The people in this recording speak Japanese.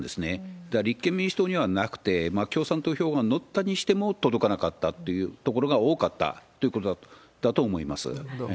ただ立憲民主党にはなくて、共産党票が乗ったにしても届かなかったというところが多かったとなるほど。